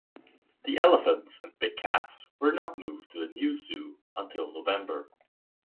The elephants and big cats were not moved to the new zoo until November.